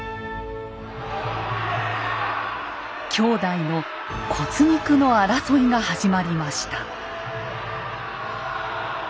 兄弟の骨肉の争いが始まりました。